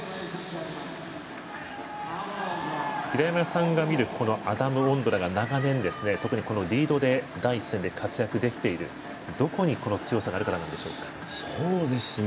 平山さんが見るアダム・オンドラが長年、特にこのリードで第一線で活躍できているどこに強さがあるんでしょうか。